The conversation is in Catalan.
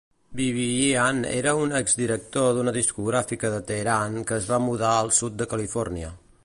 Bibiyan era un exdirector d'una discogràfica de Teheran que es va mudar al sud de Califòrnia.